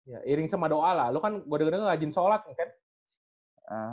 iya iring sama doa lah lu kan gue denger denger ngajin sholat kan